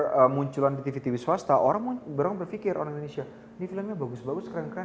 ketika munculan di tv tv swasta orang berpikir orang indonesia ini filmnya bagus bagus keren keren